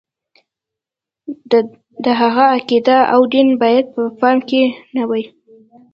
د هغه عقیده او دین باید په پام کې نه وي.